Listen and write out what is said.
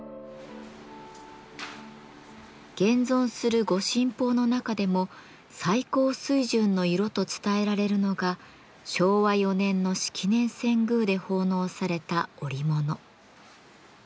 現存する御神宝の中でも「最高水準の色」と伝えられるのが昭和４年の式年遷宮で奉納された織物。